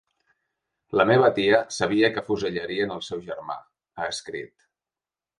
La meva tia sabia que afusellarien el seu germà, ha escrit.